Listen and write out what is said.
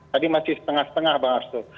tadi masih setengah setengah bang arsul